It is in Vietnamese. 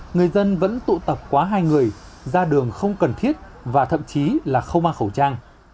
người dân vẫn tụ tập quá hai người ra đường không cần thiết và thậm chí là không mang khẩu trang